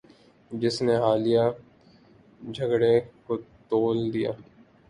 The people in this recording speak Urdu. جس نے حالیہ جھگڑے کو طول دیا